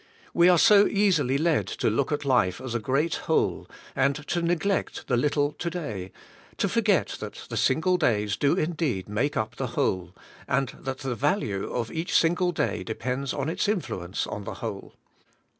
We are so easily led to look at life as a great whole, and to neglect the little to day, to forget that the single days do indeed make up the whole, and that the value of each single day depends on its influence on the whole.